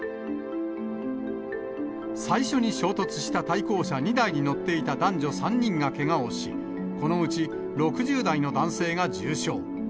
最初に衝突した対向車２台に乗っていた男女３人がけがをし、このうち６０代の男性が重傷。